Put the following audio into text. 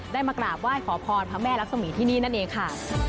มากราบไหว้ขอพรพระแม่รักษมีที่นี่นั่นเองค่ะ